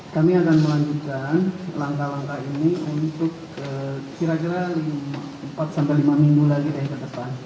kami akan melanjutkan langkah langkah ini untuk kira kira empat sampai lima minggu lagi dari ke depan